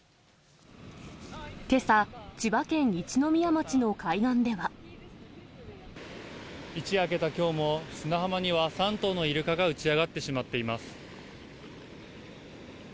けさ、一夜明けたきょうも、砂浜には３頭のイルカが打ち上がってしまっています。